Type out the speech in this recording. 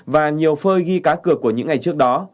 và nhiều phơi ghi cá cược của những ngày trước đó